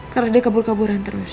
karena dia kabur kaburan terus